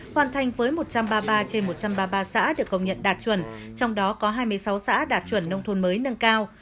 hoàn thành với một trăm ba mươi ba trên một trăm ba mươi ba xã được công nhận đạt chuẩn trong đó có hai mươi sáu xã đạt chuẩn nông thôn mới nâng cao